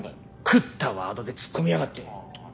繰ったワードでツッコみやがって。